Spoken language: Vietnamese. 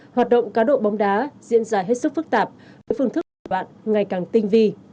hoạt động cá độ bóng đá diễn ra hết sức phức tạp với phương thức của các bạn ngày càng tinh vi